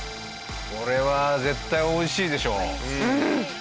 これは絶対美味しいでしょ。